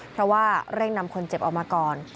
เพราะว่าเร่งนำคนเจ็บออกมาก่อน